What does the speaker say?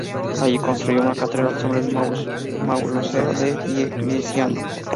Allí se construyó una catedral sobre el Mausoleo de Diocleciano.